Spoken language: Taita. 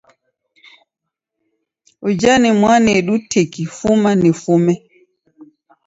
Uja ni mwanedu tiki fuma nifume.